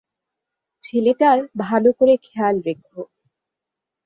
ছেলেটার ভালো করে খেয়াল রেখো।